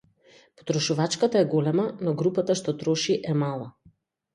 Потрошувачката е голема, но групата што троши е мала.